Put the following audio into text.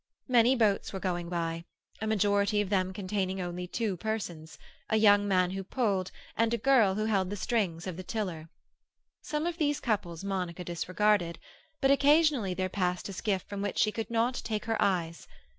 Many boats were going by, a majority of them containing only two persons—a young man who pulled, and a girl who held the strings of the tiller. Some of these couples Monica disregarded; but occasionally there passed a skiff from which she could not take her eyes.